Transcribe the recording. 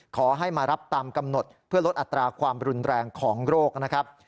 ขอให้มารับตามกำหนดเพื่อลดอัตราความรุนแรงของโรคนะครับ